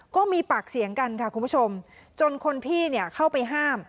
ก็มีปากเสียงกันค่ะคุณผู้ชมจนคนพี่เนี่ยเข้าไปห้าม